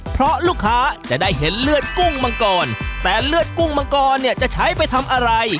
เพราะลูกค้าจะได้เห็นเลือดกุ้งมังกรแต่เลือดกุ้งมังกรเนี่ยจะใช้ไปทำอะไร